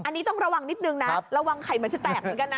อันนี้ต้องระวังนิดนึงนะระวังไข่เหมือนจะแตกเหมือนกันนะ